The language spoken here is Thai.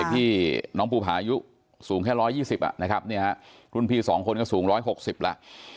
เด็กพี่น้องภูผ่าอายุสูงแค่ร้อยยี่สิบอ่ะนะครับเนี่ยฮะรุ่นพี่สองคนก็สูงร้อยหกสิบละ